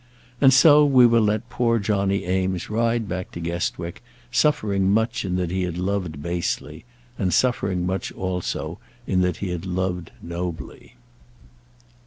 And so we will let poor Johnny Eames ride back to Guestwick, suffering much in that he had loved basely and suffering much, also, in that he had loved nobly.